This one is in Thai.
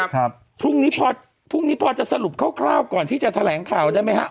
พรุ่งนี้พอพรุ่งนี้พอจะสรุปคร่าวก่อนที่จะแถลงข่าวได้ไหมฮะ